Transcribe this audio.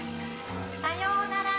「さようなら。